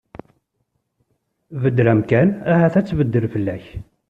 Beddel amkan ahat ad tbeddel fell-ak.